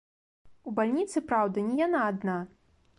У бальніцы, праўда, не яна адна.